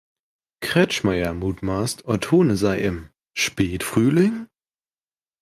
Kretschmayr mutmaßt, Ottone sei im „Spätfrühling?